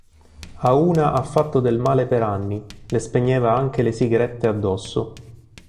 A una ha fatto del male per anni, le spegneva anche le sigarette addosso".